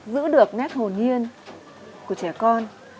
có thể giữ được nét hồn nhiên của trẻ con